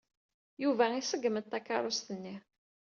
Yuba iṣeggem-d takeṛṛust-nni.